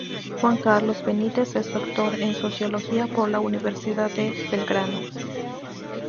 Juan Carlos Benitez es Doctor en Sociología por la Universidad de Belgrano.